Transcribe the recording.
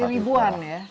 jadi ribuan ya